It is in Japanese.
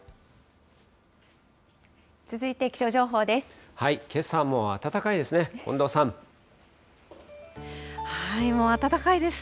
続いて気象情報です。